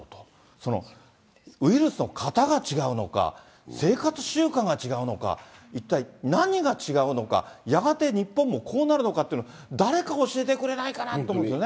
そのウイルスの型が違うのか、生活習慣が違うのか、一体何が違うのか、やがて日本もこうなるのかっていうのを、誰か教えてくれないかなだって